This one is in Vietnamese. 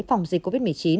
phòng dịch covid một mươi chín